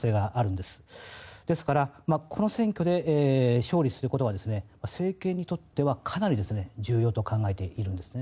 ですからこの選挙で勝利することは政権にとってはかなり重要と考えているんですね。